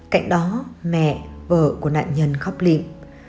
cạnh đó mẹ vợ của nạn nhân khóc lịm